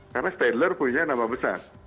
karena staedtler punya nama besar